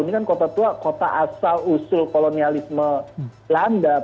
ini kan kota tua kota asal usul kolonialisme landap